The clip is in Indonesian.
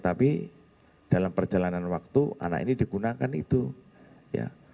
tapi dalam perjalanan waktu anak ini digunakan itu ya